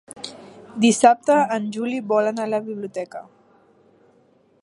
Dissabte en Juli vol anar a la biblioteca.